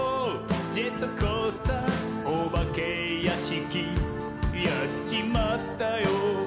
ジェットコースターおばけやしき」「やっちまったよ！